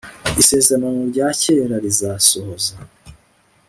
isezerano rya kera rizasohoza